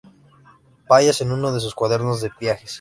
Pallas en uno de sus cuadernos de viajes.